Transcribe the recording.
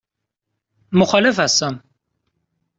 مخالف هستم.